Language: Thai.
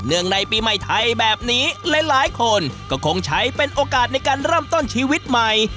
ในปีใหม่ไทยแบบนี้หลายคนก็คงใช้เป็นโอกาสในการเริ่มต้นชีวิตใหม่